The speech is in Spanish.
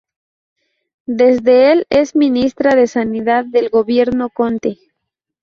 Desde el es Ministra de Sanidad del Gobierno Conte.